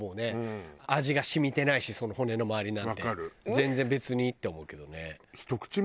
全然別にって思うけどね。